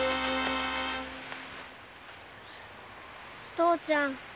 父ちゃん